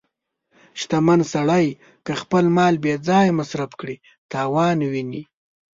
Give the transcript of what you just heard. • شتمن سړی که خپل مال بې ځایه مصرف کړي، تاوان ویني.